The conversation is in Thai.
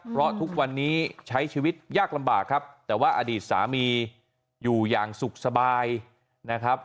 เพราะทุกวันนี้ใช้ชีวิตยากลำบากครับแต่ว่าอดีตสามีอยู่อย่างสุขสบายนะครับ